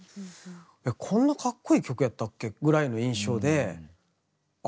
いやこんなかっこいい曲やったっけ？ぐらいの印象であ